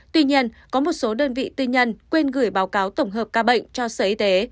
tuy nhiên có một số đơn vị tư nhân quên gửi báo cáo tổng hợp ca bệnh cho sở y tế